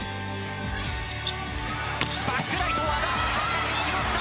バックライト和田しかし拾った。